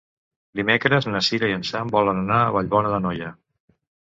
Dimecres na Cira i en Sam volen anar a Vallbona d'Anoia.